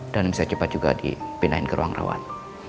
dan bisa cepet juga dipindahin ke ruang rawat